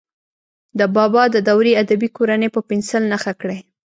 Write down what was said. د بابا د دورې ادبي کورنۍ په پنسل نښه کړئ.